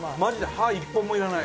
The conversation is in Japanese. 歯、１本もいらない。